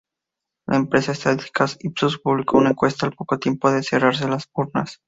La empresa estadística Ipsos publicó una encuesta al poco tiempo de cerrarse las urnas.